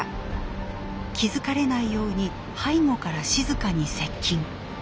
気付かれないように背後から静かに接近。